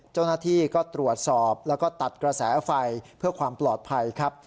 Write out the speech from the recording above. เจ้าหน้าที่ก็ตรวจสอบแล้วก็ตัดกระแสไฟเพื่อความปลอดภัยครับ